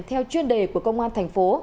theo chuyên đề của công an thành phố